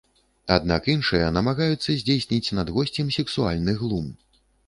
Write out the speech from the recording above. Аднак іншыя намагаюцца здзейсніць над госцем сексуальны глум.